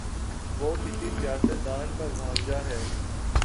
وہ کسی سیاست دان کا بھانجا ہے۔